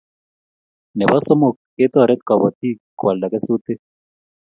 Nebo somok ketoret kobotik koalda kesutik